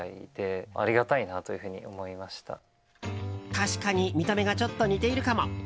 確かに見た目がちょっと似ているかも。